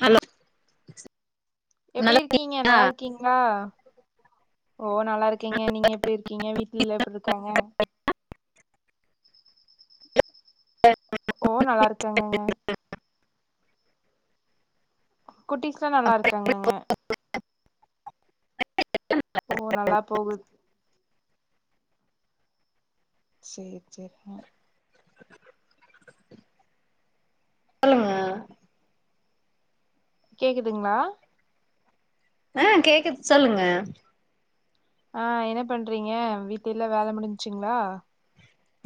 hello எப்படி இருக்கீங்க நல்லா இருக்கீங்களா ஓ நல்லா இருக்கீங்க நீங்க எப்படி இருக்கீங்க வீட் இல்ல எப்படி இருக்காங்க ஓ நல்லா இருக்கு இருக்கங்ங்க ஆஹ் குட்டிஸ்லாம் நல்லா இருக்காங்கங்க ஓ நல்லா போகுது சேரி சேரி அஹ் சொல்லுங்க கேக்குதுங்களா ஆஹ் கேக்குது சொல்லுங்க ஆஹ் என்ன பண்றீங்க வீட்டு எல்லா வேல முடிஞ்சச்சுங்களா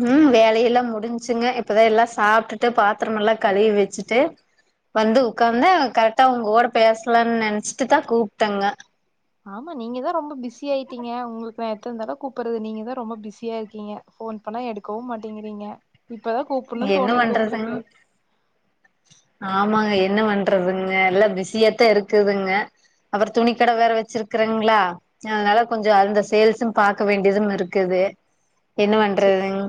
உம் வேலையெல்லாம் முடிஞ்சுங்க இப்பதான் எல்லா சாப்பிட்டுட்டு பாத்திரம எல்லாம் கழுவி வச்சுட்டு வந்து உட்காந்த கரெக்டா உங்க ஓட பேசலாம்னு நினைச்சிட்டுதான் கூப்பிட்டேங்க ஆமா நீங்க தான் ரொம்ப பிசியா ஆயிட்டீங்க உங்களுக்கு நா எத்த தடவ கூப்பிடறது நீங்கதான் ரொம்ப பிஸியா இருக்கீங்க போன் பண்ணா எடுக்கவும் மாட்டேங்கிறீங்க இப்பதான் கூப்பனணும்னு என்ன தோணியிருக்கு பண்றதுங் உங்களுக்கு ஆமாங்க என்ன பண்றதுங்க எல்லா பிஸியாத்தா இருக்குதுங்க அப்புறம் துணி கடை வேற வச்சிருக்குறங்களா அதனால கொஞ்சம் அந்த சேல்ஸும் பாக்க வேண்டியதும் இருக்குது என்ன சேரி பண்றதுங்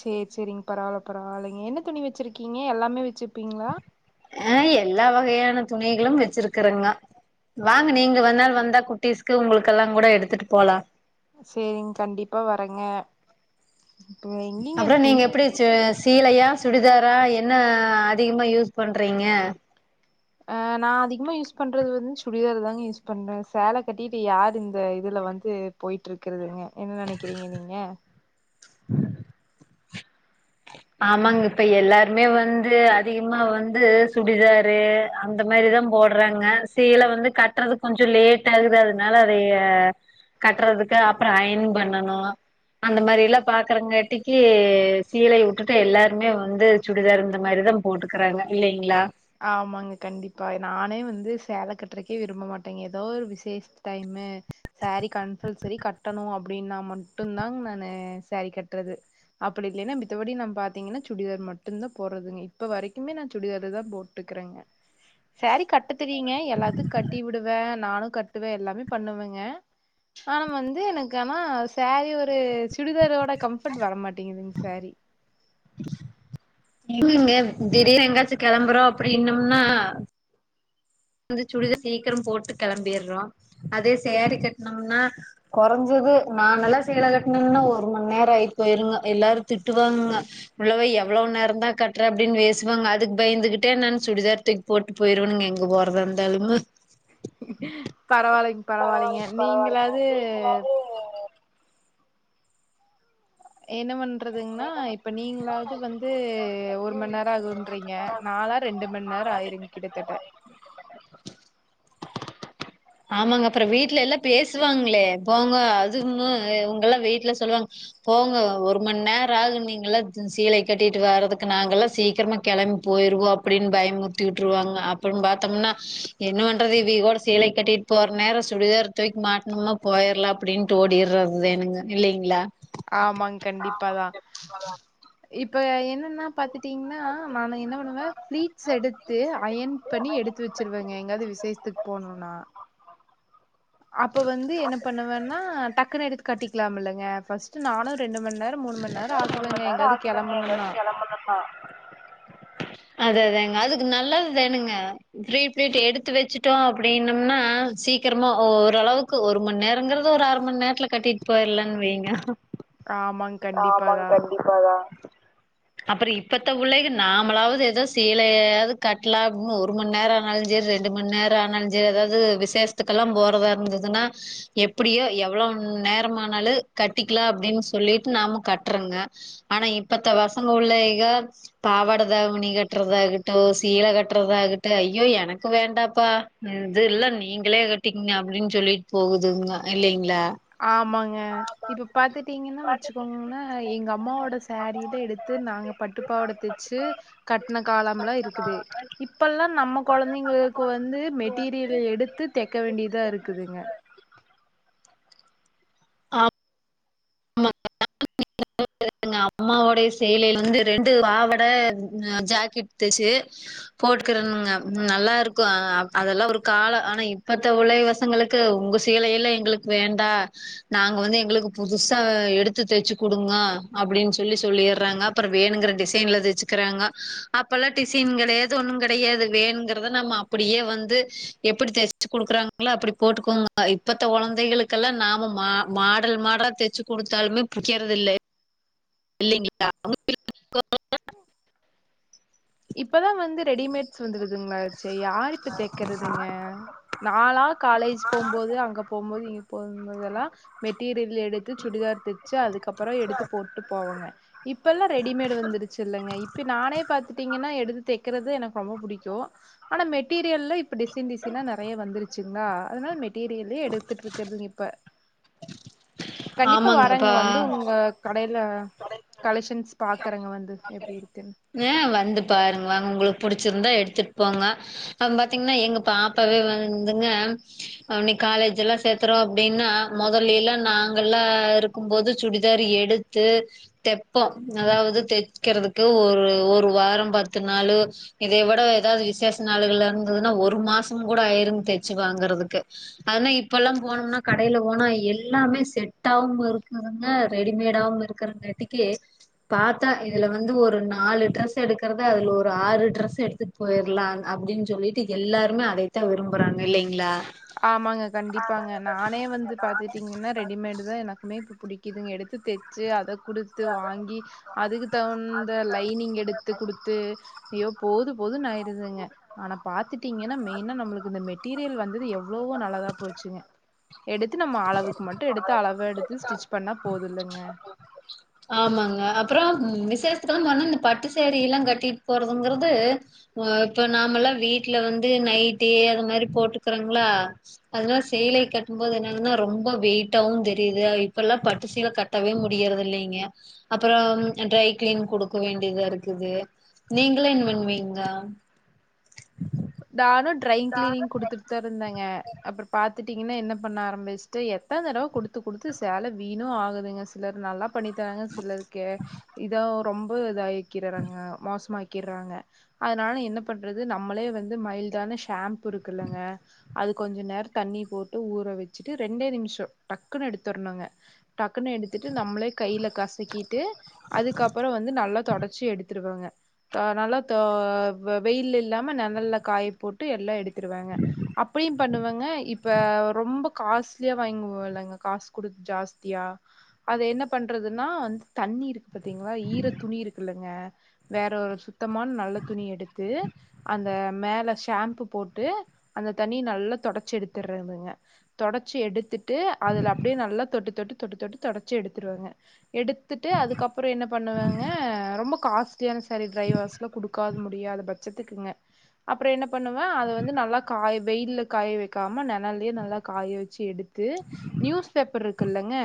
சேரி சேரிங்க பரவால பரவால்லை நீங் என்ன துணி வச்சிருக்கீங்க எல்லாமே வச்சுப்பீங்களா அஹ் எல்லா வகையான துணிகளும் வச்சிருக்குறங்க வாங்க நீங்க வந்தா வந்தா குட்டிஸ்க்கு உங்களுக்கெல்லாம் கூட எடுத்துட்டு போலாம் சேரிங்க கண்டிப்பா வரங்க அப்போறம் நீங்க எப்படிச்சு சே சீலையா சுடிதாரா என்ன அதிகமா யூஸ் பண்றீங்க ஆஹ் நா அதிகமா யூஸ் பண்றது வந்து சுடிதார் தாங்க யூஸ் பண்றேன் சேல கட்டிட்டு யாரு இந்த இதுல வந்து போயிட்டு இருக்குதுங்க என்ன நினைக்கிறிங்க நீங்க உஹ ஆமாங்க இப்ப எல்லாருமே வந்து அதிகமா வந்து சுடிதாரு அந்த மாரிதான் போடுறாங்க சீல வந்து கட்டுறது கொஞ்ச லேட்டா ஆகுது அதனால அதைய கட்டுறதுக்கு அப்புறம் அயன் பண்ணணு அந்த மாதிரில்லாம் பாக்குறங்காட்டிக்கு சேலை இங்க இருக்க எல்லாருமே வந்து சுடிதார் இந்த மாரிதான் போட்டுக்கறாங்க இல்லைங்களா ஆமாங்க கண்டிப்பா நானே வந்து சேலை கட்டுறக்கே விரும்ப மாட்டேங்க ஏதோ ஒரு விசேஷ டைமு சேரி கன்ஃசல் சரி கட்டணும் அ அப்படின்னா மட்டும் தான் நானு சேரீ கட்டறது அப்படி இல்லைன்னா மித்தபடி நான் பாத்தீங்கன்னா சுடிதார் மட்டும் தான் போடறதுங்க இப்ப வரைக்குமே நான் சுடிதார் தான் போ ட்டுக்கறங்க சேரி கட் கட்ட தெரியீங்க எல்லாத்தும் கட்டி விடுவேன் நானும் கட்டுவே எல்லாமே பண்ணுவங்க ஆன வந்து எனக்கானா சேரீ ஒரு சுடிதாரோட கம்ஃபர்ட் வர மாட்டேங்குதுங்க சேரீ டுயுங்க திடீர் எங்காச்சும் கிளம்புறோம் அப்படி இனம்னா வந்து சுடிதார் சீக்கிரம் போட்டு கிளம்பிறோம் அதே சேரி கட்டனம்னா குறைஞ்சது நான் நல்லா சேல கட்டனும்னா ஒரு மணி நேரம் ஆயிட்டு எல்லாரும் திட்டுவாங்க உள்ளவ எவ்வளவு நேரம் தான் கட்டற அப்படின்னு வேசுவாங்க அதுக்கு பயந்துகிட்டே நான் சுடிதார தூக்கி போட்டு போய்டுவேுங்க எங்க போறே வந்தாலும் முத் பரவாலைங்க பரவாலைங்க நீங்களாது எனவன் பண்றதுங்கன்னா இப்ப நீங்களாவது வந்து ஒரு மணி நேரம் ஆகுன்றீங்க நாளா ரெண்டு மணி நேரம் ஆயிருங்க கிட்டத்தட்ட [unintelligible] ஆமாங்க அப்புறம் வீட்டுல எல்லாம் பேசுவாங்களே போங்க அதுங்க இவங்கலாம் வீட்டுல சொல்லுவாங்க போங்க ஒரு மணி நேரம் ஆகு நீங்க எல்லாம் சீலை கட்டிட்டு வர்ரதுக்கு நாங்க எல்லாம் சீக்கிரமா கிளம்பி போயிருவோம் அப்படின்னு பயமுர்த்தி விட்டுருவாங்க அப்படின்னு பார்த்தோம்னா என்ன பண்றது இது இவ சீலை கட்டிட்டு இப்ப ஒரு நேரம் சுடிதார் தூக்கி மாட்டணுமா போயிறலாம் அப்படின்னுட்டு ஓடிறது எனங்க இல்லைங்களா ஆமாங் கண்டிப்பாதான் இப்ப என்னன்னா பாத்துட்டீங்கன்னா நான்னு என்ன பண்ணுவேன் ப்ளீஸ் எடுத்து அயன் பண்ணி எடுத்து வச்சிருவங்க எங்காவது விசேஷத்துக்கு பொண்ணுண்ணா அப்ப வந்து என்ன பண்ணுவன்னா டக்குன்னு எடுத்து கட்டிக்கலாம் இல்லைங்க பர்ஸ்ட் நானும் ரெண்டு மணி [inaudible] அது அதங்க அதுக்கு நல்லது தணுங்க ப்ரீபில்ட் எடுத்து வச்சுட்டோம் அப்படின்னம்னா சீக்கிரமா ஓரளவுக்கு ஒரு மணி நேரங்கறத ஒரு அரை மணி நேரத்துல கட்டிட்டு போயிரலன்னு வைங்க ஆமாங்க ஆமாங்க கண்டிப்பாதா கண்டிப்பாதான் அப்புறம் இப்பத்த பிள்ளைக்கு நாமளாவது ஏதோ சீலையாவது கட்டலாம் அப்படின்னு ஒரு மணி நேரம் ஆனாலும் சரி ரெண்டு மணி நேரம் ஆனாலும் சரி ஏதாவது விசேஷத்துக்கெல்லாம் போறதா இருந்ததுன்னா எப்படியோ எவ்வளவு நேரம் ஆனாலும் கட்டிக்கலாம் அப்படின்னு சொல்லிட்டு நாம கட்டுறங்க ஆனா இப்பத்த பசங்க உள்ளங்க பாவாட தாவணி கட்டுறதாகட்டும் சீலை கட்டுறதாகட்டும் ஐயோ எனக்கு வேண்டாப்பா இது இல்ல நீங்களே கட்டிக்கங்க அப்படின்னு சொல்லிட்டு போகுதுங்க இல்லைங்களா ஆமாங்க இப்ப பாத்துட்டீங்கன்னா வச்சுக்கோங்கனே எங்க அம்மாவோட சேரில எடுத்து நாங்க பட்டுப்பாவட தச்சு கட்டன காலம்லாம் இருக்குது இப்பெல்லாம் நம்ம கொழந்தைங்களுக்கு வந்து மெட்டீரியல் எடுத்து தைக்க வேண்டியதா இருக்குதுங்க ஆப் அம்மாவோடைய சேலையில வந்து ரெண்டு பாவட ஜாக்கெட் தச்சு போட்டுக்கிறுங்கனங்க நல்லா இருக்கும் அதெல்லாம் ஒரு காலம் ஆனா இப்பத்த உலவசங்களுக்கு உங்க சீலை எல்லாம் எங்களுக்கு வேண்டாம் நாங்க வந்து எங்களுக்கு புதுசா எடுத்து தைச்சு குடுங்க அப்படின்னு சொல்லி சொல்லிடுறாங்க அப்புறம் வேணுங்கிற டிசைன்ல தைச்சுக்கிறாங்க அப்பல்லாம் டிசைன்கள் எது ஒன்னும் கிடையாது வேணுங்கிறத நாம அப்படியே வந்து எப்படி தச்சு குடுக்குறாங்களோ அப்படி போட்டுக்கோங்க இப்ப குழந்தைகளுக்கெல்லாம் நாம மா மாடல் மாடலா தச்சு குடுத்தாலுமே புடிக்கறதில்ல இல்லைங்களா [inaudible] இப்பதான் வந்து ரெடிமேட் வந்துடுதுங்களச்சே யார் இப்ப தைக்குறதுங்க நா லா காலேஜ் போம்போது அங்க போம்போது இ போகும்போது எல்லாம் மெட்டீரியல் எடுத்து சுடிதார் தைச்சு அதுக்கப்புறம் எடுத்து போட்டு போவங்க இப்பல்லாம் ரெடிமேடு் வந்துருச்சு இல்லங்க இப்ப நானே பாத் நீங்கன்னா எடுத்து தைக்கறது எனக்கு ரொம்ப புடிக்கும் ஆனா மெட்டீரியல்ல இப்ப டிசைன் டிசைனா நெறைய வந்துருச்சுங்களா அதனால மெட்டீரியல்லயே எடுத்துட்டு இருக்கதுங்க இப்ப கண்டிப்பா ஆமாங்க இப்ப வரங்க வந்து உங்க கடையில கலெஷன்ஸ் பாக்குறங்க வந்து எப்படி இரு நெ வர் வந்து பாருங்கங்க உங்களுக்கு புடிச்சிருந்தா எடுத்துட்டு போங்க அப்போ பாத்தீங்கன்னா எங்க பாப்பாவே வந்துங்க அவளுக்கு காலேஜ் எல்லாம் சேத்துறோம் அப்படின்னா முதல்லே எல்லாம் நாங்க எல்லாம் இருக்கும் போது சுடிதார் எடுத்து தைப்போம் அதாவது தைக்கிறதுக்கு ஒரு ஒரு வாரம் பத்து நாளு இதை விட ஏதாவது விசேஷ நாளு இருந்ததுன்னா ஒரு மாசம் கூட ஆயிருங்க தச்சு வாங்கறதுக்கு ஆனா இப்பல்லாம் போனேம்னா கடைல போனா எல்லாமே செட்டவும் இருக்கதுங்க ரெடிமேடவும் இருக்கிறங்காட்டிக்கு பாத்தா இதுல வந்து ஒரு நாலு ட்ரெஸ் எடுக்கறத அதுல ஒரு ஆறு ட்ரெஸ் எடுத்துட்டு போயிடலாம் அப்படின்னு சொல்லிட்டு எல்லாருமே அதைத்தான் விரும்பறாங்க இல்லீங்களா ஆமாங்க கண்டிப்பாங்க நானே வந்து பாத்துகிட்டிங்கன்னா ரெடிமேடு தான் எனக்குமே இப்ப புடிக் இதுங்க எடுத்து தைச்சு அதை குடுத்து வாங்கி அதுக்கு தகுந்த லைனிங் எடுத்து குடுத்து யோ போதும் போதும்ன்னு ஆயிடுதுங்க ஆனா பாத்துடீங்கன்னா மெயின்னா நமளுக்கு இந்த மெட்டீரியல் வது எவ் அவ்வளோ நல்லாதா போச்சுங்க எடுத்து நம்ம அளவுக்கு மட்டும் எடுத்து அளவை எடுத்து ஸ்டிச் பண்ணா போதுல்லங்க விசேத்துக்கெல்லம் போனா இந்த பட்டு சாரீ எல்லாம் கட்டிட்டு போறதுங்கிறது இப்ப நாமல்லாம் வீட்டுல வந்து நைட்டி அது மாரி போட்டுக்குறோங்களா அதா சேலை கட்டும் போது என்னன்னா ரொம்ப வெயிட்டாவும் தெரியுது இப்ப எல்லாம் பட்டு சீல கட்டவே முடியறது இல்லைங்க அப்புறம் ட்ரைகிளீன் கொடுக்க வேண்டியதா இருக்குது நீங்கள்ளாம் என்ன பண்ணுவீங்க நானும் டிரைய் கிளீனிங் குடுத்துட் தா இருந்தங் அப்பறம் பாத் வந்துடிங்கன்னா என்ன பண்ண ஆரம்பிச்சுட்டு எத்தனை தடவ குடுத்து குடுத்து சேலை வீணும் ஆகுதுங்க சிலர் நல்லா பண்ணி தராங்க சிலருக்கு இதான் ஒரு ரொம்ப இதாய் கிரறங்க மோசமாய் கிறாங்க அதுனால என்ன பண்றது நம்மளே வந்து மையில்டான ஷாம்பு இருக்குலங்க அது கொஞ்சம் நேரம் தண்ணி போட்டு ஊற வச்சுட்டு ரெண்டே நிமிஷம் டக்குன்னு எடுத்துரனுங்க டக்குன்னு எடுத்துட்டு நம்மளே கைல கசக்கிட்டு அதுக்கப்புறம் வந்து நல்லா தெடச்சி எடுத்துடுவங்க நல்லா வெயில் இல்லாம காய போட்டு எல்லாம் எத்துருவாங்க அப்படியும் பண்ணுவாங்க இப்ப ரொம்ப காஸ்லியா வாங்கி போ இலங்க காசு குடுத்து ஜாஸ்தியா அத என்ன பண்றதுன்னா வந்து தண்ணி இருக்குல ஈர துணி இருக்குல்லங்க வேற ஒரு சுத்தமான நல்ல துணி எடுத்து அந்த மேல ஷாம்பு போட்டு அந்த தண்ணி நல்லா தொடைச்சு எடுத்துடுறதுங்க தொடைச்சு எடுத்துட்டு அதுல அப்படியே நல்லா தொட்டு தொட்டு தொட்டு தொட்டு தொடைச்சு எடுத்துடுவங்க எடுத்துட்டு அதுக்கப்புறம் என்ன பண்ணுவாங்க ரொம்ப காஸ்லியான சரி டிரைவர்ஸ்ல குடுக்கது முடியாத பட்சத்துக்குங்க அப்புறம் என்ன பண்ணுவேன் அத வந்து நல்லா காய வெயில்ல காய வைக்காம நெலைல்லயே நல்லா காய வச்சு எடுத்து நியூஸ் பேப்பர் இருக்கு இல்லைங்க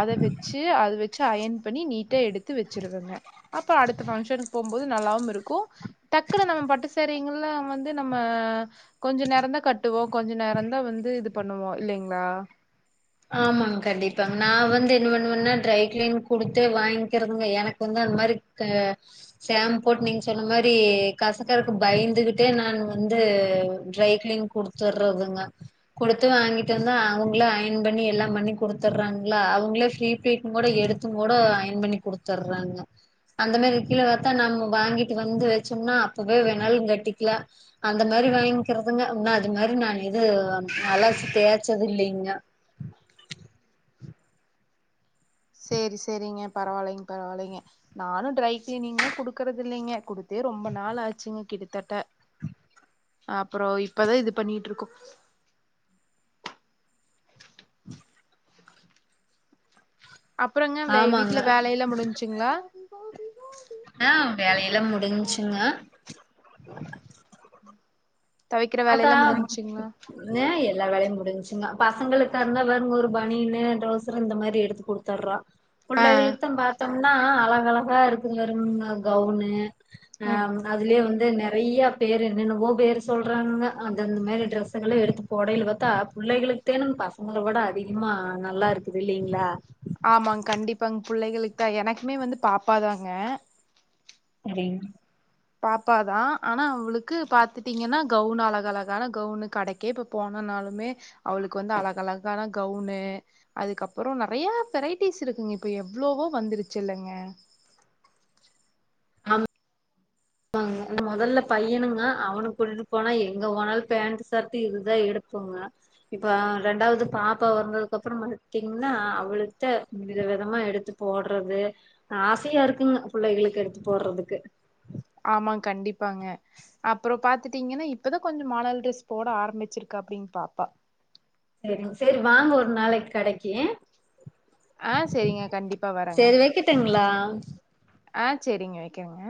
அதை வச்சு அதை வச்சு அயன் பண்ணி நீட்டா எடுத்து வச்சிருவேங்க அப்புறம் அடுத்த ஃபங்க்ஷனுக்கு போம்போது நல்லாவும் இருக்கும் டக்குனு நம்ம பட்டு சாரீ புல்லா வந்து நம்ம கொஞ்ச நேரம் தான் கட்டுவோம் கொஞ்ச நேரம் தான் வந்து இது பண்ணுவோம் இல்லைங்களா ஆமாங்க கண்டிப்பாங்க நான் வந்து என்ன பண்ணுவேன்னா ட்ரை கிளீன் குடுத்தே வாங்கிக்கறதுங்க எனக்கு வந்து அந்த மாரி ஷாம்பும்போட்டு நீங்க சொன்ன மாரி கசக்கருக்கு பயந்துகிட்டே நான் வந்து ட்ரை கிளீன் குடுத்துடுறதுங்க குடுத்து வாங்கிட்டு வந்து அவங்களே ஆயன் பண்ணி எல்லாம் பண்ணி குடுத்தடுறாங்களா அவங்களே ஃபிரி பிலிட்டும் கூட எடுத்தும் கூட அயன் பண்ணி குடுத்தர்றாங்க அந்த மாரி கீழே பாத்தா நம்ம வாங்கிட்டு வந்து வச்சோம்னா அப்பவே வேனாலும் கட்டிக்கிலாம் அந்த மாரி வாங்கிக்கிறதுங்க அது மாரி நான் எது அலாச்சு தேச்சது இல்லைங்க சரி சரிங்க பரவாயில்லைங்க பரவாயில்லைங்க நானும் ட்ரை கிளீனிங் எல்லாம் குடுக்கறது இல்லைங்க குடுத்தே ரொம்ப நாள் ஆச்சுங்க கிட்டத்தட்ட அப்புறம் இப்பதான் இது பண்ணிட்டு இருக்கோம் அப்புறங்க ஆமாங்க வீட்டுல வேலையெல்லா முடிஞ்சுங்களா போக ஆஹ் வேலையல்லாம் முடிஞ்சுங்க துவைக்கிற வேலையெல்லா முடிஞ்சுங்களா அதத்தா எல்லா வேலையும் முடிஞங்க ங்க பசங்களுக்காக இருந்தா வேறங்க ஒரு பனீனு ட்ரௌசர் இந்த மாதிரி எடுத்து கொடுடுத்தடுறம் ஆ பிள்ளைகளுக்கும் பார்த்தோம்னா அழகா அழகா இரு கவு ம் அதுல வந்து ந [inaudible] ஐயா பேர் என்னென்னவோ பேர் சொலுறக சொறாங்க அந்த அந்த மாதிரி டிரெஸுகலே எடுத்து போடையல பார்த்தா பிள்ளைகளுக்கு தேணும்ன்னு பசங்களளை கூட அதிகமா நல்லா இருக்குது இல்லலைங்களா ஆமாங்க கண்டிப்பாங்க புள்ளைகளுக்கு தான் எனக்குமே வந்து பாப்பாதாங்க சரி [unintelligible] பாப்பாதான் ஆனா அவளுக்கு பாத்துட்டீங்கன்னா கவுன் அழக அழகான கவுனு கடைக்கே இப்ப போனனாலுமே அவளுக்கு வந்து அழக அழகான கவுனு அதுக்கப்புறம் நிறைய வெரைட்டிஸ் இருக்குங்க இப்ப எவ்வளவோ வந்துருச்சு இல்லைங்க ஆமா ஆமாங்க இந்தந்த முதல்ல பையனுங்க அவனு கூட்டிட்டு போனா எங்க போனாலும் பேண்ட் ஷர்ட்ட் இதுதான் எடுப்புோங்க இப்ப ரெண்டாவது பாப்பா வந்ததுக்கு அப்புறம் மட்டீங்கன்னா அவளிட்ட மித விதமா எடுத்து போடுறது ஆசையா இருக்குங்க புள்ளைகளுக்கு எடுத்து போடுறதுக்கு ஆமா கண்டிப் இருப்பாங்க அப்புறம் பாார்த் பாத்துட்டீங்கன்னா இப்பதான் கொஞ்சம் மாடல் டிரெஸ் போட ஆரம்பிச்சிருக்கு அப்படின்னு பாப்பா சரிங்க சரி வாங்க ஒரு நாளைக்கு கடைக்கு ஆஹ செரிங்க கண்டிப்பா வரக ஆ அ செரிங்க வெக்கிரங்க